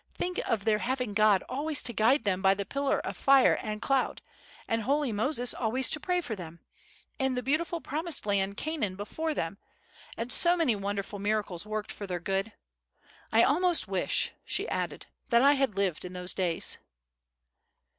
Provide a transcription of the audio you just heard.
"Think of their having God always to guide them by the pillar of fire and cloud, and holy Moses always to pray for them; and the beautiful promised land Canaan before them, and so many wonderful miracles worked for their good! I almost wish," she added, "that I had lived in those days."